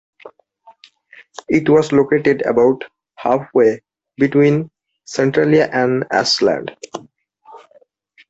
It was located about halfway between Centralia and Ashland.